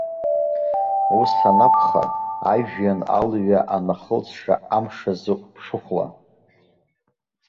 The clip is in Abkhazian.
Ус анакәха, ажәҩан алҩа анахылҵша амш азы уԥшыхәла.